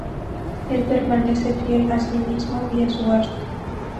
Él permanece fiel a sí mismo y a su arte".